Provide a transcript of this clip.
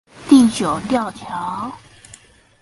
地久吊橋